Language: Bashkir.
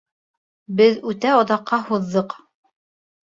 Беҙ үтә оҙаҡҡа һуҙҙыҡ.